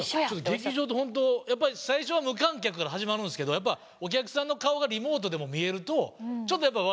劇場ってほんとやっぱり最初は無観客から始まるんすけどやっぱお客さんの顔がリモートでも見えるとそれは劇場に近いっていうか。